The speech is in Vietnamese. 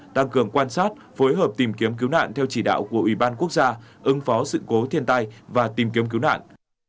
tăng cường quan sát phối hợp tìm kiếm cứu nạn theo chỉ đạo của ủy ban quốc gia ứng phó sự cố thiên tai và tìm kiếm cứu nạn